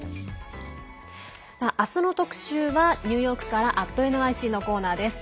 明日の特集はニューヨークから「＠ｎｙｃ」のコーナーです。